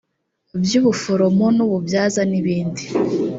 by ubuforomo n ububyaza n ibindi